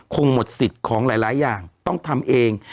คงหมดสิทธิ์ของหลายอย่างต้องทำเอง